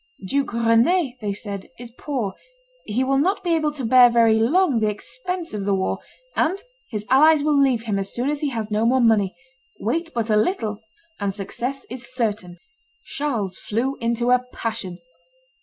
"Duke Rene," they said, "is poor; he will not be able to bear very long the expense of the war, and his allies will leave him as soon as he has no more money; wait but a little, and success is certain." Charles flew into a passion.